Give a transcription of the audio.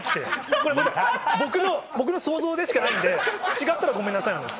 これホント僕の想像でしかないんで違ったらごめんなさいなんです。